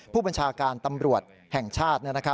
ผู้บัญชาการตำรวจแห่งชาติ